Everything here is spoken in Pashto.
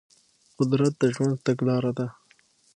قدرت د ژوند تګلاره ده.